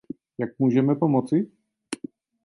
Jak můžeme pomoci?